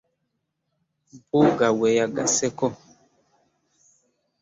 Mpuuga bwe yagasseeko.